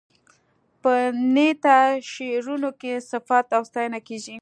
په نعتیه شعرونو کې صفت او ستاینه کیږي.